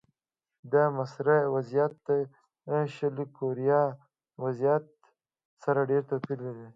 د مصر وضعیت د شلي کوریا وضعیت سره ډېر توپیر درلود.